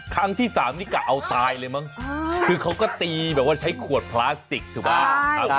ครั้งที่๓นี่กะเอาตายเลยมั้งคือเขาก็ตีแบบว่าใช้ขวดพลาสติกถูกป่ะ